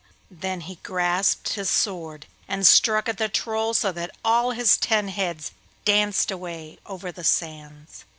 Then he grasped his sword and struck at the Troll, so that all his ten heads danced away over the sands.